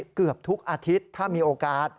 อาจารย์แบบนี้เกือบทุกอาทิตย์ถ้ามีโอกาส